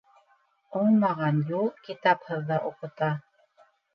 Уңмаған юл китапһыҙ ҙа уҡыта.